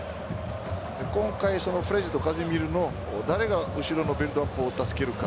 今回そのフレッジとカゼミーロの誰が後ろのビルドアップを助けるか。